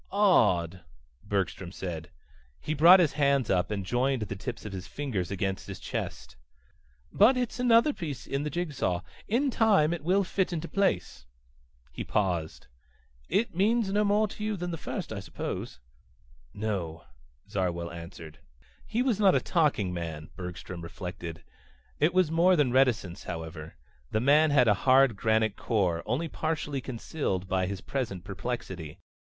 "Odd," Bergstrom said. He brought his hands up and joined the tips of his fingers against his chest. "But it's another piece in the jig saw. In time it will fit into place." He paused. "It means no more to you than the first, I suppose?" "No," Zarwell answered. He was not a talking man, Bergstrom reflected. It was more than reticence, however. The man had a hard granite core, only partially concealed by his present perplexity.